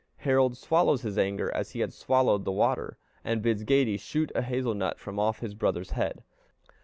Harald swallows his anger, as he had swallowed the water, and bids Geyti shoot a hazel nut from off his brother's head.